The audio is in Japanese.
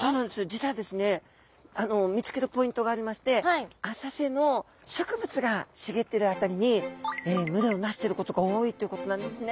実はですね見つけるポイントがありまして浅瀬の植物が茂ってるあたりに群れを成してることが多いということなんですね。